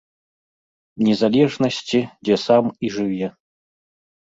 Незалежнасці, дзе сам і жыве.